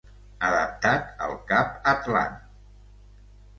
Adapta't al cap atlant.